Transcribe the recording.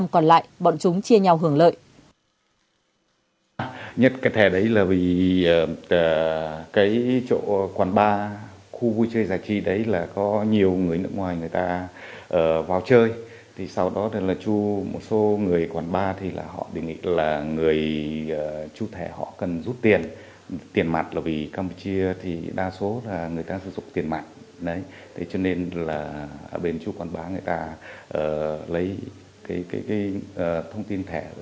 sáu mươi năm còn lại bọn chúng chia nhau hưởng lợi